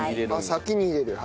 先に入れるんや。